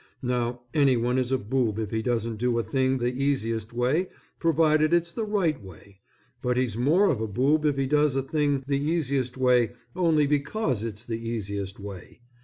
Now anyone is a boob if he doesn't do a thing the easiest way provided it's the right way; but he's more of a boob if he does a thing the easiest way only because it's the easiest way.